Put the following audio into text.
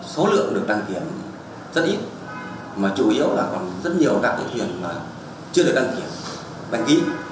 số lượng được đăng kiểm rất ít mà chủ yếu là còn rất nhiều các cái trường mà chưa được đăng kiểm đăng ký